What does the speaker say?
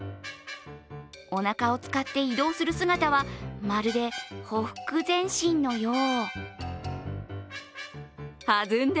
おなかを使って移動する姿はまるでほふく前進のよう。